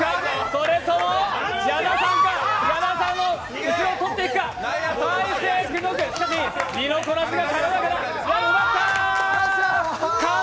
それとも矢田さんか、矢田さんの後ろをとっていくか、大晴君、身のこなしが軽やかだ、取った。